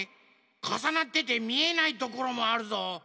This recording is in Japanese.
かさなっててみえないところもあるぞ。